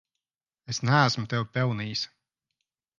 Es neesmu tevi pelnījis.